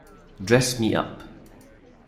Dress Me Up!